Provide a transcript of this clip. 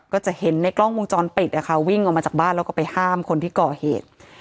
ก็จะเห็นในกล้องวงจรปิดนะคะวิ่งออกมาจากบ้านแล้วก็ไปห้ามคนที่ก่อเหตุ